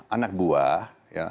tujuh puluh lima anak buah